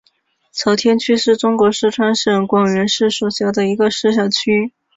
朝天区是中国四川省广元市所辖的一个市辖区。